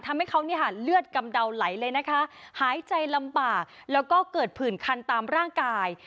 ทำให้เขาเนี่ยค่ะเลือดกำเดาไหลเลยนะคะหายใจลำบากแล้วก็เกิดผื่นคันตามร่างกาย